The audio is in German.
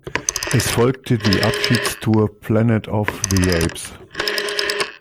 Es folgte die Abschiedstour „Planet of the Apes“.